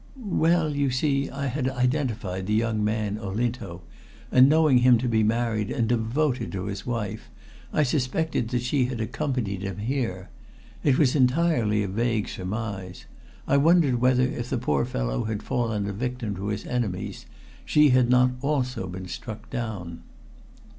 "Well, you see, I had identified the young man Olinto, and knowing him to be married and devoted to his wife, I suspected that she had accompanied him here. It was entirely a vague surmise. I wondered whether, if the poor fellow had fallen a victim to his enemies, she had not also been struck down."